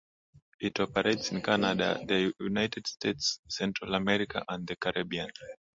It operates in Canada, the United States, Central America, and the Caribbean.